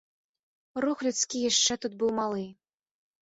Рух людскі яшчэ тут быў малы.